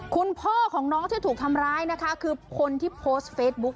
คุณพ่อของน้องที่ถูกทำร้ายนะคะคือคนที่โพสต์เฟซบุ๊ก